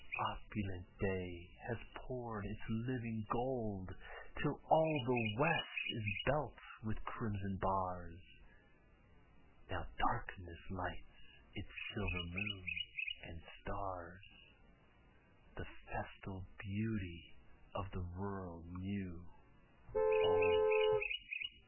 Opulent day has poured its living gold Till all the west is belt with crimson bars, Now darkness lights its silver moon and stars, The festal beauty of the world new old.